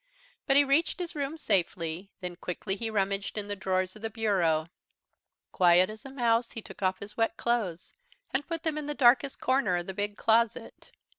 But he reached his room safely, then quickly he rummaged in the drawers of the bureau. Quiet as a mouse he took off his wet clothes, and put them in the darkest corner of the big closet.